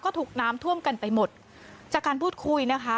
ก็ถูกน้ำท่วมกันไปหมดจากการพูดคุยนะคะ